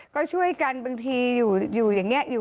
ก็ช่วยกันบางทีอยู่อย่างนี้